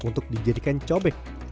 untuk dijadikan cobek